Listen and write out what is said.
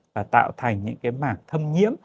và tạo thành những mảng thâm nhiễm